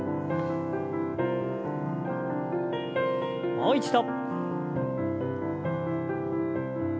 もう一度。